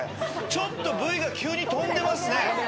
ちょっとＶＴＲが急に飛んでますね。